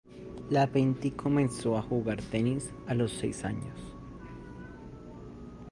Lapentti comenzó a jugar tenis a los seis años.